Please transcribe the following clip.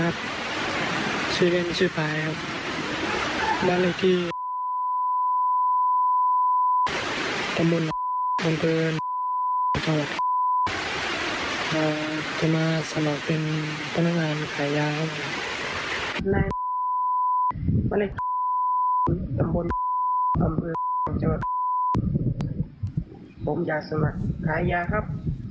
บอกว่าเป็นพนักงานขายยาครับ